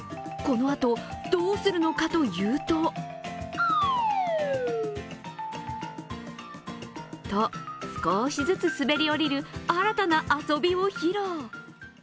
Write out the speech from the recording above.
このあと、どうするのかというと少しずつ滑り降りる新たな遊びを披露。